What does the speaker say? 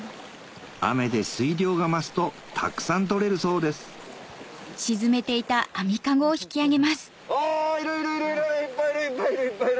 雨で水量が増すとたくさん取れるそうですいるいる！